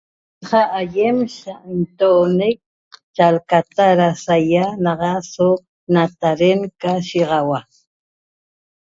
Sa aiem saintonec chalcata ra saia naxa so nataren ca shigaxaua